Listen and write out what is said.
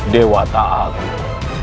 dewa tak agung